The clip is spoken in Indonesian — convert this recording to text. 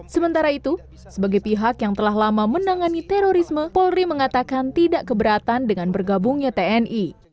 sementara itu sebagai pihak yang telah lama menangani terorisme polri mengatakan tidak keberatan dengan bergabungnya tni